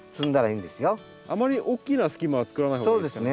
あまり大きな隙間は作らない方がいいですね。